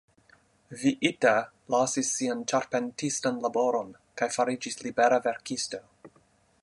Viita forlasis sian ĉarpentistan laboron kaj fariĝis libera verkisto.